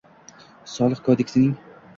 Soliq kodeksining